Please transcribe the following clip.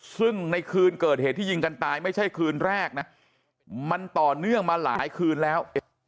ซึ่งในคืนเกิดเหตุที่ยิงกันตายไม่ใช่คืนแรกนะมันต่อเนื่องมาหลายคืนแล้ว